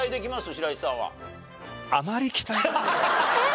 白石さんは。えっ！？